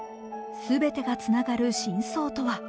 全てがつながる真相とは。